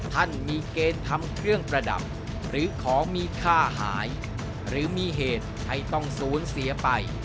ท่านมีเกณฑ์ทำเครื่องประดับหรือของมีค่าหายหรือมีเหตุให้ต้องสูญเสียไป